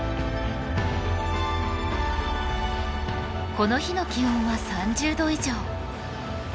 この日の気温は３０度以上。